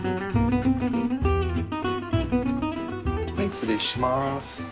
失礼します。